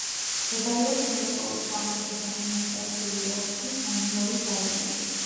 მდებარეობს მოსკოვის სამხრეთის ადმინისტრაციული ოლქის დანილოვის რაიონში.